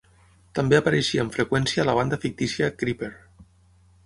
També apareixia amb freqüència la banda fictícia Creeper.